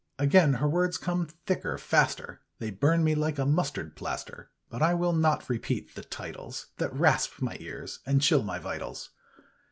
Again her words come thicker, faster, They burn me like a mustard plaster. But I will not repeat the titles That rasp my ears and chill my vitals.